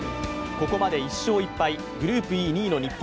ここまで１勝１敗、グループＥ２位の日本。